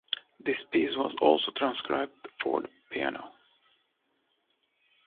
This piece was also transcribed for the piano.